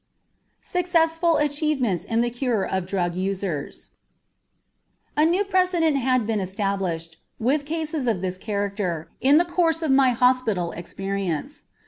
SUCCESSFUL ACHIEVEMENTS IN THE CURE OF DRUG USERS A new precedent has been established with cases of this character in the course of my hospital experience.